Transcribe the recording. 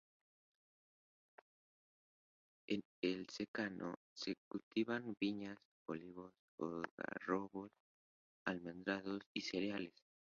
En el secano se cultivan viñas, olivos, algarrobos, almendros y cereales.